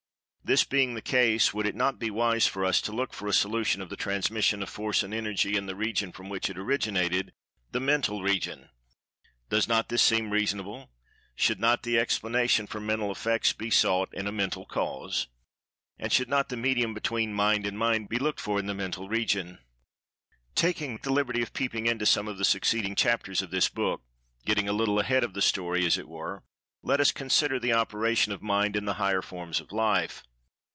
This being the case, would it not be wise for us to look for a solution of the transmission of Force and Energy in the region from which it originated—the Mental Region? Does not this seem reasonable? Should not the explanation for Mental Effects be sought in a Mental Cause? And should not the[Pg 161] medium between Mind and Mind be looked for in the Mental Region? Taking the liberty of peeping into some of the succeeding chapters of this book—getting a little ahead of the story, as it were—let us consider the operation of Mind in the higher forms of Life.